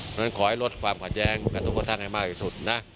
เพราะฉะนั้นขอให้ลดความขัดแย้งกันทุกคนท่านให้มากที่สุดนะ